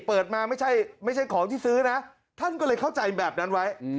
เปิดมาไม่ใช่ของที่ซื้อนะท่านก็เลยเข้าใจแบบนั้นไว้